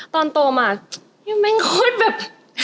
ตอนโตมายังแม่งโคตรแบบ